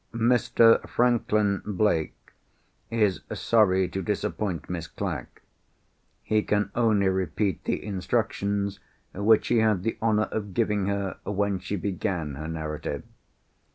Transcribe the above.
"Mr. Franklin Blake is sorry to disappoint Miss Clack. He can only repeat the instructions which he had the honour of giving her when she began her narrative.